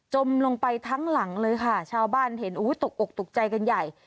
มลงไปทั้งหลังเลยค่ะชาวบ้านเห็นตกอกตกใจกันใหญ่